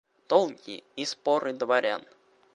Толки и споры дворян.